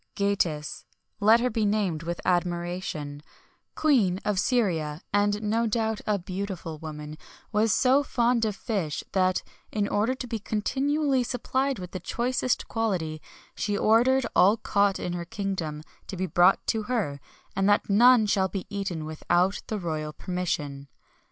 Gatis let her be named with admiration Queen of Syria, and no doubt a beautiful woman, was so fond of fish that, in order to be continually supplied with the choicest quality, she ordered all caught in her kingdom to be brought to her, and that none should be eaten without the royal permission.